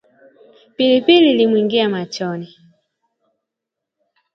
Pilipili ilimwingia machoni